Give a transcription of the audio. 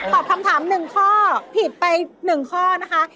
ตอบคำถามหนึ่งข้อผิดไปหนึ่งข้อนะคะ